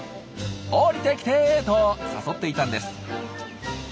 「降りてきて」と誘っていたんです。